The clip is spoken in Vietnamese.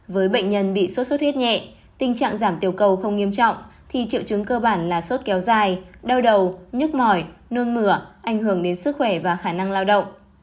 với bệnh nhân bị sốt xuất huyết nhẹ tình trạng giảm tiểu cầu không nghiêm trọng thì triệu chứng cơ bản là sốt kéo dài đau đầu nhức mỏi nôn mửa ảnh hưởng đến sức khỏe và khả năng lao động